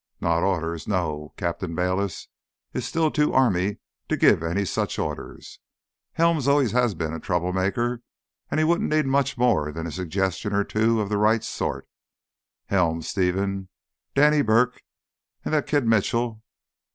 "Not orders, no. Captain Bayliss is still too army to give any such orders. Helms's always been a troublemaker; he wouldn't need much more than a suggestion or two of the right sort. Helms, Stevens, Danny Birke, and that kid Mitchell.